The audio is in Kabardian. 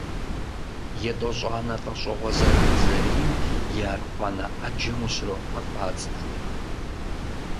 ЕтӀощӀанэ лӀэщӀыгъуэ зэрыхьзэрийм и архъуанэ Ӏэджэм ущрохьэлӀэ а цӀыхум.